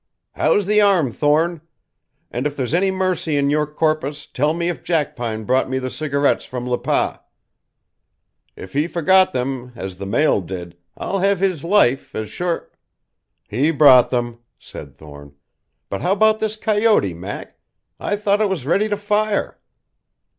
"How's the arm, Thorne? And if there's any mercy in your corpus tell me if Jackpine brought me the cigarettes from Le Pas. If he forgot them, as the mail did, I'll have his life as sure " "He brought them," said Thorne. "But how about this coyote, Mac? I thought it was ready to fire."